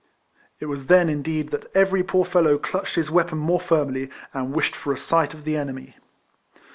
It was then indeed that every poor fellow clutched his weapon more firmly, and wished for a sight of the enemy.